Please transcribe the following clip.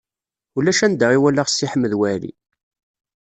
Ulac anda i walaɣ Si Ḥmed Waɛli.